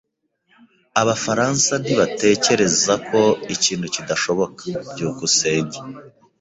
Abafaransa ntibatekereza ko ikintu kidashoboka. byukusenge